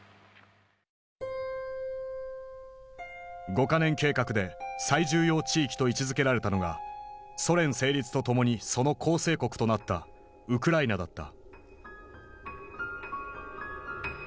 五か年計画で最重要地域と位置づけられたのがソ連成立とともにその構成国となったウクライナだった。